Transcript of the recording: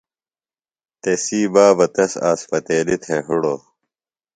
تسی بابہ تس اسپتیلیۡ تھےۡ ہِڑوۡ۔